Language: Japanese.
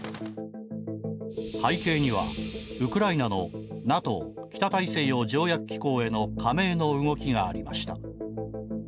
背景には、ウクライナのＮＡＴＯ＝北大西洋条約機構への加盟の動きがありました。